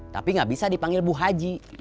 tapi gak bisa dipanggil bu haji